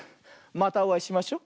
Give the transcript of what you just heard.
またおあいしましょ。